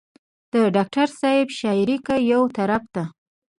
د ډاکټر صېب شاعري کۀ يو طرف ته